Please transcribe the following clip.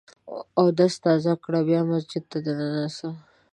اودس تازه کړه ، بیا مسجد ته دننه سه!